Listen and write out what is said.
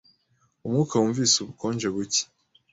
Umwuka wumvise ubukonje buke.